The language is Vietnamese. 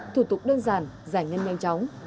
thủ tục đơn giản giải ngân nhanh chóng